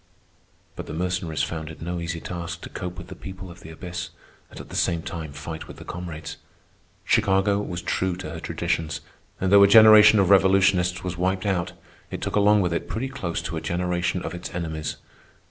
But the Mercenaries found it no easy task to cope with the people of the abyss and at the same time fight with the comrades. Chicago was true to her traditions, and though a generation of revolutionists was wiped out, it took along with it pretty close to a generation of its enemies.